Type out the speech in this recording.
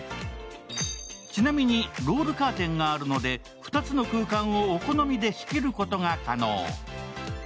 ちなみに、ロールカーテンがあるので２つの空間をお好みで仕切ることが可能。